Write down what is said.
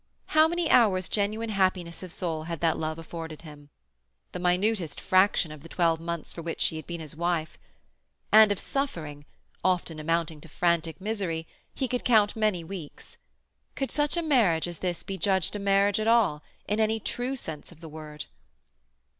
How many hours' genuine happiness of soul had that love afforded him? The minutest fraction of the twelve months for which she had been his wife. And of suffering, often amounting to frantic misery, he could count many weeks. Could such a marriage as this be judged a marriage at all, in any true sense of the word?